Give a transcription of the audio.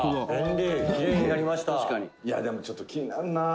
「いや、でもちょっと気になるな」